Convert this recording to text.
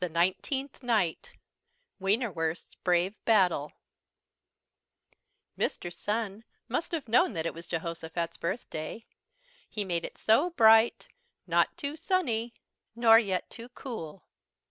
NINETEENTH NIGHT WIENERWURST'S BRAVE BATTLE Mr. Sun must have known that it was Jehosophat's birthday, he made it so bright, not too sunny nor yet too cool.